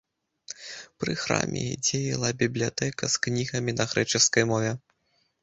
Пры храме дзеяла бібліятэка з кнігамі на грэчаскай мове.